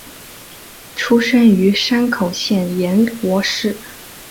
出身于山口县岩国市。